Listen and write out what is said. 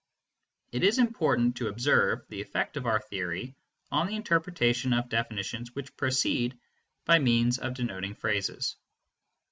It is important to observe the effect of our theory on the interpretation of definitions which proceed by means of denoting phrases.